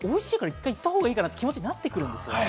一回行ったほうがいいのかなって気持ちになってくるんですよ。